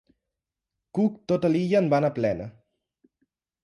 Cook tota l'illa en va anar plena.